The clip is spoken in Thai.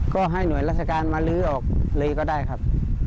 ก็ให้หน่วยราชการมาลื้อออกเลยก็ได้ครับ